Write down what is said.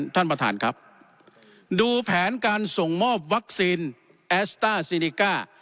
ท่านประธานครับดูแผนการส่งมอบวัคซีนแอสต้าซีนิก้า